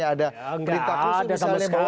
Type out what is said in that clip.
ada gak instruksi instruksi khusus misalnya